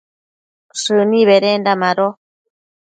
shëni bedenda mado